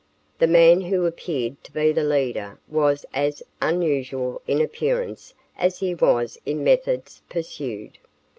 The man who appeared to be the leader was as unusual in appearance as he was in methods pursued.